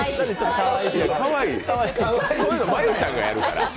そういうの真悠ちゃんがやるから。